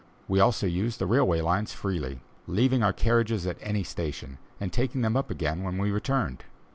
We also used the railway lines freely, leaving our carriages at any station, and taking them up again when we returned.